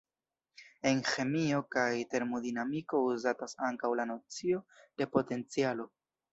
En ĥemio kaj termodinamiko uzatas ankaŭ la nocio de potencialo.